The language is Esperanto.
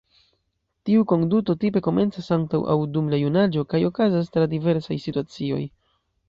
Tiu konduto tipe komencas antaŭ aŭ dum la junaĝo, kaj okazas tra diversaj situacioj.